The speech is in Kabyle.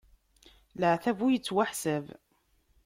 Leɛtab ur ittwaḥsab.